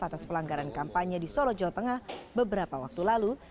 atas pelanggaran kampanye di solo jawa tengah beberapa waktu lalu